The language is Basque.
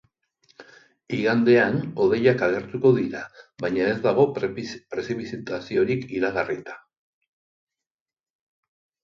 Igandean, hodeiak agertuko dira, baina ez dago prezipitaziorik iragarrita.